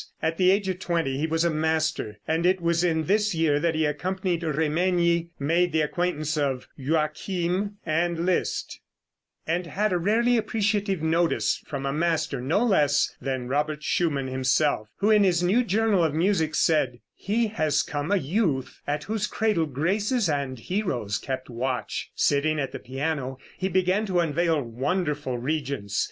At the age of twenty he was a master, and it was in this year that he accompanied Remenyi, made the acquaintance of Joachim and Liszt, and had a rarely appreciative notice from a master no less than Robert Schumann himself, who in his New Journal of Music said: "He has come, a youth at whose cradle graces and heroes kept watch. Sitting at the piano he began to unveil wonderful regions.